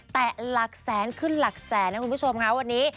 แต่หลักแสนขึ้นหลักแสนนะคุณผู้ชมค่ะวันนี้